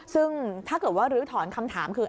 ซึ่งถ้าเกิดว่าลื้อถอนคำถามคือ